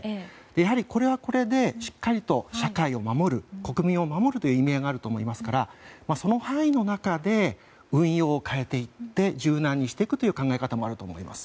やはり、これはこれでしっかりと社会を守る国民を守るという意味合いがあると思いますからその範囲の中で運用を変えていって柔軟にしていくという考え方もあると思います。